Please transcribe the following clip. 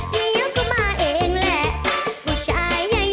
โดดก็หายหาย